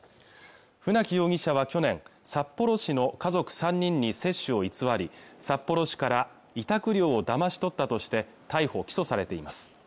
船木容疑者は去年札幌市の家族３人に接種を偽り札幌市から委託料をだまし取ったとして逮捕起訴されています